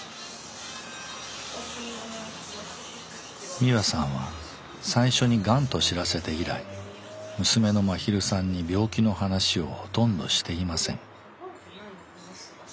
みわさんは最初にがんと知らせて以来娘のまひるさんに病気の話をほとんどしていません。